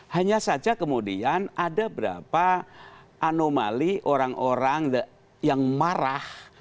hanya saja kemudian ada berapa anomali orang orang yang marah